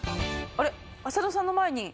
あれ？